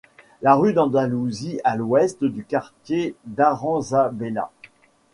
La rue d'Andalousie, à l'ouest du quartier d'Aranzabela.